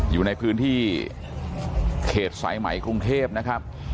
อยู่ในพื้นที่เขตสายไหมกรุงเทพนะครับ